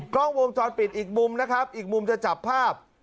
กล้องวงจรปิดอีกมุมนะครับอีกมุมจะจับภาพ